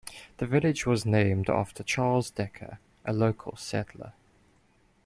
The village was named after Charles Decker, a local settler.